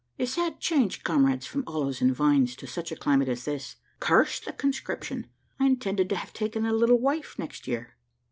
A sad change, comrades from olives and vines to such a climate as this. Curse the conscription: I intended to have taken a little wife next year."